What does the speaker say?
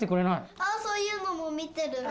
・あそういうのも見てる。